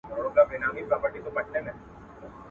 هغه ورځ لکه کارګه په ځان پوهېږي!